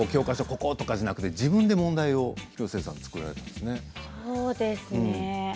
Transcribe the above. ここ、とかじゃなくて自分で問題を広末さんがそうですね。